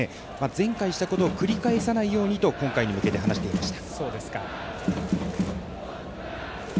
前回、したことを繰り返さないようにと今回に向けて話していました。